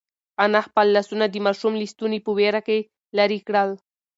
انا خپل لاسونه د ماشوم له ستوني په وېره کې لرې کړل.